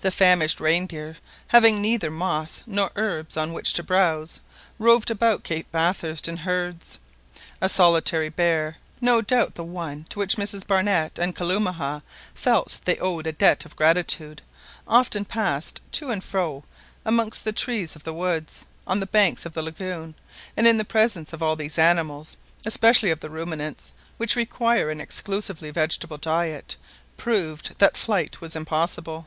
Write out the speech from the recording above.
The famished reindeer having neither moss nor herbs on which to browse, roved about Cape Bathurst in herds. A solitary bear, no doubt the one to which Mrs Barnett and Kalumah felt they owed a debt of gratitude, often passed to and fro amongst the trees of the woods, on the banks of the lagoon, and the presence of all these animals, especially of the ruminants, which require an exclusively vegetable diet, proved that flight was impossible.